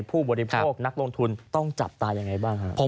ผู้บริโภคนักลงทุนต้องจับตายังไงบ้างครับ